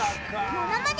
ものまね